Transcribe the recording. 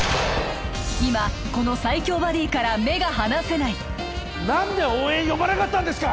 今この最強バディから目が離せない何で応援呼ばなかったんですか！